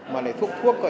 mà để thuốc thuốc